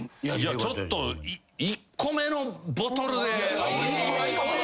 ちょっと１個目のボトルで。